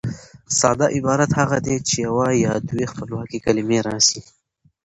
ساده عبارت هغه دئ، چي یوه یا دوې خپلواکي کلیمې راسي.